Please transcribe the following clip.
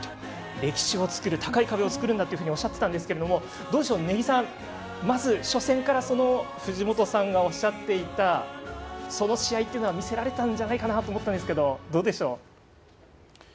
歴史を作る高い壁を作るんだとおっしゃっていたんですけど根木さんまず初戦から藤本さんがおっしゃっていたその試合というのは見せられたんじゃないかなと思いますけど、どうでしょう？